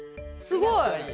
すごい！